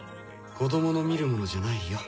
子供の見るものじゃないよ。